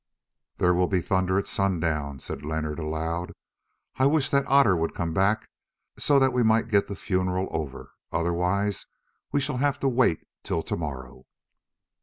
"There will be thunder at sundown," said Leonard aloud; "I wish that Otter would come back, so that we might get the funeral over; otherwise we shall have to wait till to morrow."